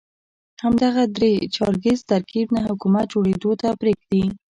همدغه درې چارکیز ترکیب نه حکومت جوړېدو ته پرېږدي.